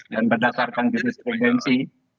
dan berdasarkan bisnis provinsi